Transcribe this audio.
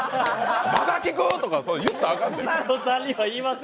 「まだ聞く！？」とか言ったらあかんで！